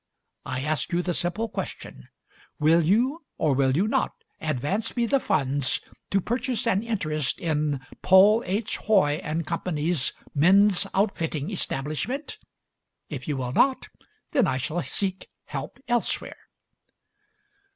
I ask you the simple question: Will you or will you not advance me the funds to purchase an interest in Paul H. Hoy & Company's Men's Outfitting Establishment? If you will not, then I shall seek help elsewhere."